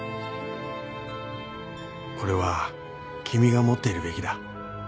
「これは君が持っているべきだ」